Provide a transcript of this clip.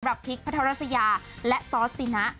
ปรับพีคพระเท้ารัสยาและซอสสินะ